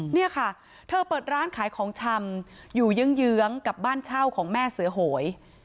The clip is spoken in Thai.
เนี่ยค่ะเธอเปิดร้านขายของชำอยู่เยื้องกับบ้านเช่าของแม่เสือโหย